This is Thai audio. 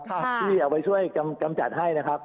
ที่เอาไปช่วยกำจัดให้นะครับ